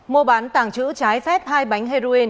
mô bán tàng trữ trái phép hai bánh heroin